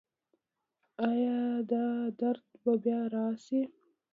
ایا دا درد به بیا راشي؟